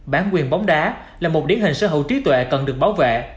bản quyền bóng đá là một điển hình sở hữu trí tuệ cần được bảo vệ